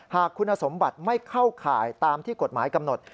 หากคุณสมบัติไม่เข้าข่ายตามที่กฎหมายกำหนด